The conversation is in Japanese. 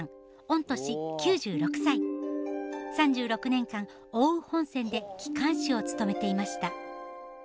３６年間奥羽本線で機関士を務めていました。